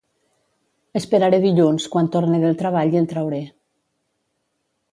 Esperaré dilluns quan torne del treball i el trauré.